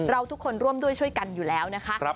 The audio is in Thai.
เราทุกคนร่วมด้วยช่วยกันอยู่แล้วนะคะ